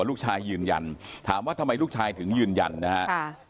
ลูกชายยืนยันถามว่าทำไมลูกชายถึงยืนยันนะครับ